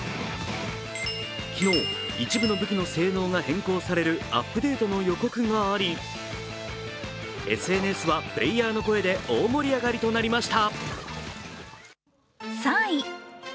昨日、一部のブキの性能が変更されるアップデートの予告があり、ＳＮＳでは、プレーヤーの声で大盛り上がりとなりました。